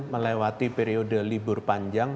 melewati periode libur panjang